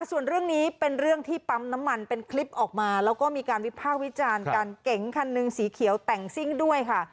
ส่วนเรื่องนี้เป็นเรื่องที่ปั๊มน้ำมันเป็นคลิปออกมาแล้วก็มีการวิภาควิจารณ์กันเก๋งคันหนึ่งสีเขียวแต่งซิ่งด้วยค่ะ